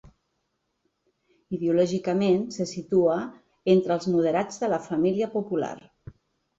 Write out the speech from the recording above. Ideològicament, se situa entre els moderats de la família popular.